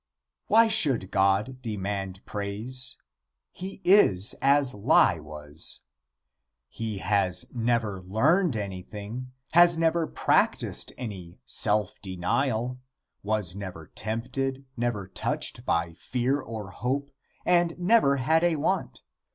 Why should God demand praise? He is as lie was. He has never learned anything; has never practiced any self denial; was never tempted, never touched by fear or hope, and never had a want.